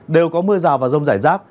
đều có mưa rào và rông rải rác